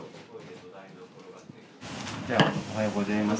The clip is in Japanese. おはようございます。